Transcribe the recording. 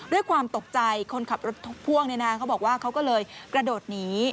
ด้วยความตกใจคนขับรถพ่วงเขาบอกว่าเขาก็เลยกระโดดหนี